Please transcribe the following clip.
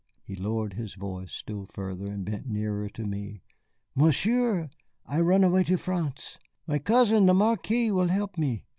He lowered his voice still further, and bent nearer to me. "Monsieur, I run away to France. My cousin the Marquis will help me.